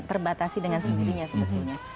terbatasi dengan sendirinya sebetulnya